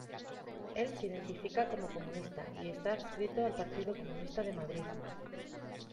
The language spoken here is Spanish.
Él se identifica como comunista y esta adscrito al Partido Comunista de Madrid.